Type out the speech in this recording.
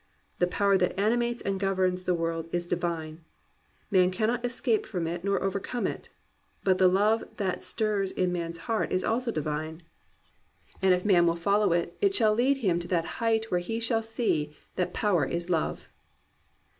The power that animates and governs the world is Divine; man cannot escape from it nor overcome it. But the love that stirs in man's heart is also Divine; and if man will fol 271 COMPANIONABLE BOOKS low it, it shall lead him to that height where he shall see that Power is Love.